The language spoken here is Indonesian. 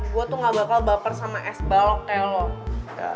gue tuh gak bakal baper sama es baloknya lo